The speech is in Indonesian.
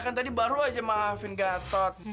kan tadi baru aja maafin gatot